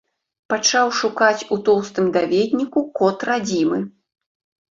Пачаў шукаць у тоўстым даведніку код радзімы.